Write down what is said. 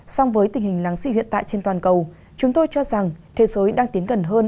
song với tình hình láng xị hiện tại trên toàn cầu chúng tôi cho rằng thế giới đang tiến gần hơn